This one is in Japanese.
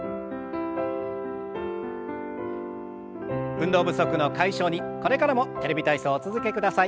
運動不足の解消にこれからも「テレビ体操」お続けください。